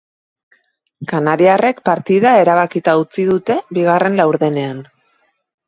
Kanariarrek partida erabakita utzi dute bigarren laurdenean.